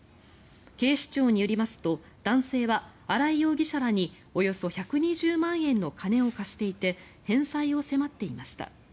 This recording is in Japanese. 警視庁によりますと男性は荒井容疑者らにおよそ１２０万円の金を貸していて返済を迫っていました。